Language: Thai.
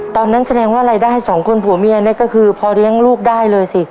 ตอนนั้นแสดงว่าอะไรได้ให้สองคนผัวเมียเนี่ยก็คือพอเรียงลูกได้เลยสิ